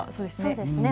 そうですね。